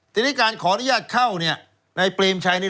ที่นี่การขออนุญาตเข้าในเปรมชัยนี่แหละเนี่ย